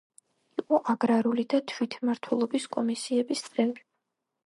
იყო აგრარული და თვითმმართველობის კომისიების წევრი.